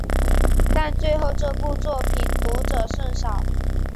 但最后这部作品读者甚少。